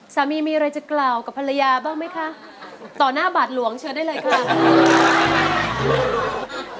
สามีมีอะไรจะกล่าวกับภรรยาบ้างไหมคะต่อหน้าบาทหลวงเชิญได้เลยค่ะ